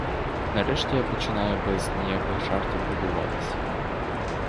Нарешті я починаю без ніяких жартів дивуватись.